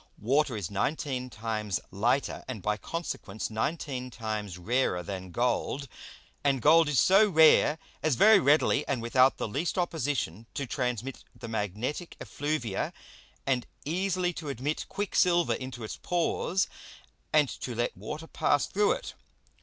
Water is nineteen times lighter, and by consequence nineteen times rarer than Gold; and Gold is so rare as very readily and without the least opposition to transmit the magnetick Effluvia, and easily to admit Quicksilver into its Pores, and to let Water pass through it.